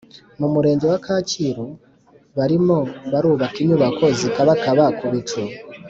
Mu murenge wa kacyiru barimo kubaka inyubako zikabakaba kubicu